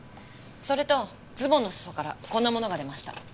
それとズボンの裾からこんなものが出ました。